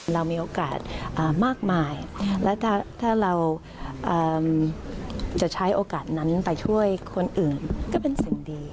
เรามีโอกาสมากมายและถ้าเราจะใช้โอกาสนั้นไปช่วยคนอื่นก็เป็นสิ่งดี